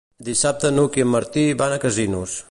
Dissabte n'Hug i en Martí van a Casinos.